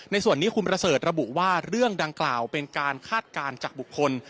ในส่วนนี้คุณประเสริฐระบุว่าเรื่องดังกล่าวเป็นการคาดการณ์จากบุคคล